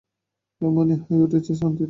এমনি হাই উঠছে শ্রান্তিতে।